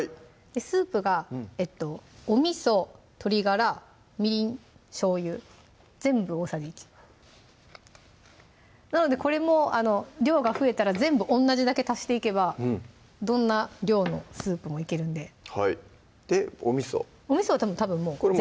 スープがおみそ・鶏ガラ・みりん・しょうゆ全部大さじ１なのでこれも量が増えたら全部同じだけ足していけばどんな量のスープもいけるんではいでおみそおみそはたぶんもう全量ですね